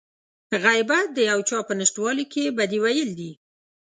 غيبت د يو چا په نشتوالي کې بدي ويل دي.